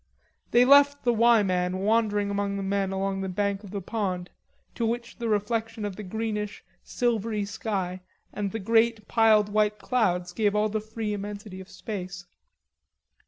They left the "Y" man wandering among the men along the bank of the pond, to which the reflection of the greenish silvery sky and the great piled white clouds gave all the free immensity of space.